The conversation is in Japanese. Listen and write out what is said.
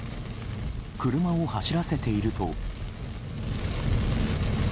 車を走らせていると。